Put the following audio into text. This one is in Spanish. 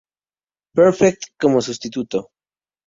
Perfect como sustituto.